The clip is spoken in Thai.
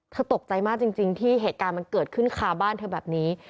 ตกใจมากจริงที่เหตุการณ์มันเกิดขึ้นคาบ้านเธอแบบนี้